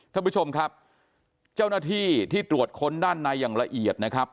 ท่านผู้ชมครับเจ้าหน้าที่ที่ตรวจค้นด้านในอย่างละเอียดนะครับ